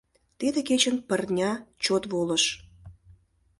Тиде кечын пырня чот волыш.